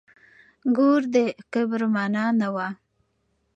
ګور د کبر مانا نه وه.